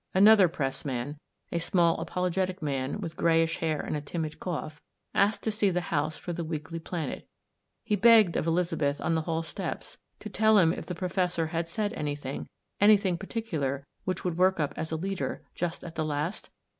Another reporter — a small, apologetic man with greyish hair and a timid cough, who asked to see the house for the Evening Planet He begged of Elizabeth on the hall steps to tell him if the professor had said anything — anything particular, which would work up as a leader, just at the last